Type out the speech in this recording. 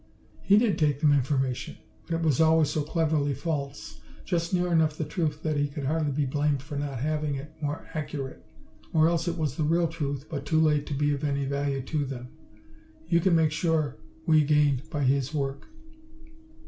"He did take them information. But it was always so cleverly false just near enough the truth that he could hardly be blamed for not having it more accurate or else it was the real truth but too late to be of any value to them. You can be sure we gained by his work."